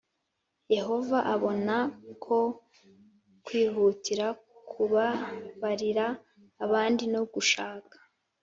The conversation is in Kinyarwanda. Yehova abona ko kwihutira kubabarira abandi no gushaka